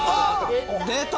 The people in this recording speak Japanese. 出た！